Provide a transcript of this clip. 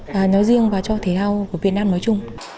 và nói riêng và cho thể thao của việt nam nói chung